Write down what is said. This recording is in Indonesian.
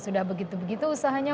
sudah begitu begitu usahanya